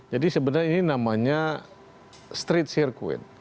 jadi sebenarnya ini namanya street circuit